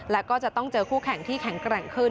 แล้วก็จะต้องเจอคู่แข่งที่แข็งแกร่งขึ้น